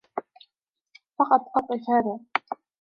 فقط أوقف هذا.